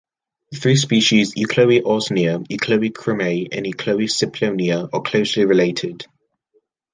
The three species "Euchloe ausonia", "Euchloe crameri" and "Euchloe simplonia" are closely related.